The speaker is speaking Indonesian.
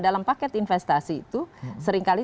dalam paket investasi itu seringkali